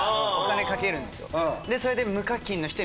それで。